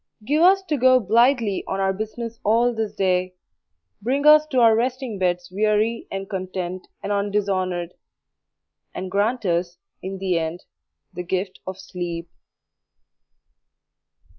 Give us to go blithely on our business all this day, bring us to our resting beds weary and content and undishonoured; and grant us in the end the gift of sleep.